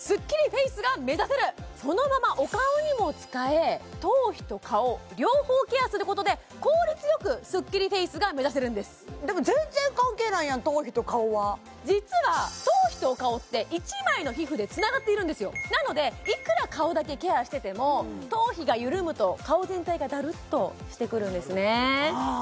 そのままお顔にも使え頭皮と顔両方ケアすることで効率よくスッキリフェイスが目指せるんですでも全然関係ないやん頭皮と顔は実は頭皮とお顔って一枚の皮膚でつながっているんですよなのでいくら顔だけケアしてても頭皮が緩むと顔全体がだるっとしてくるんですねああ